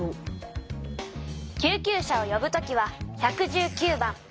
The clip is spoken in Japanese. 救急車をよぶときは１１９番。